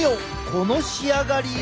この仕上がりを！